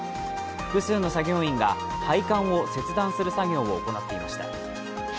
複数の作業員が、配管を切断する作業を行っていました。